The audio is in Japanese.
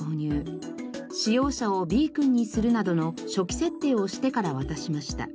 使用者をＢ君にするなどの初期設定をしてから渡しました。